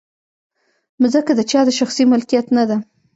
مځکه د چا د شخصي ملکیت نه ده.